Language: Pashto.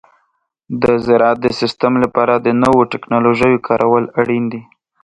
د زراعت د سیستم لپاره د نوو تکنالوژیو کارول اړین دي.